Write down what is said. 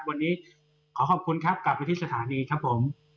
วันนี้ขอขอบคุณครับกลับไปที่สถานีครับผม